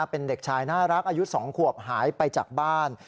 เป็นเด็กชายน่ารักอายุ๒ขวบหายไปจากบ้าน